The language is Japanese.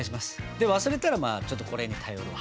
で忘れたらまあちょっとこれに頼るわ。